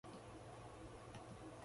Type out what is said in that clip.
自分らしく生きてみなさい